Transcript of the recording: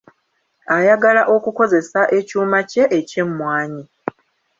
Ayagala okukozesa ekyuma kye eky'emmwanyi.